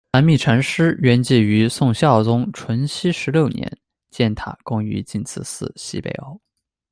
昙密禅师圆寂于宋孝宗淳熙十六年，建塔供于净慈寺西北偶。